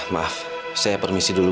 maaf saya permisi dulu